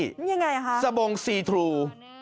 ยังไงคะบางมากสบงซีทรู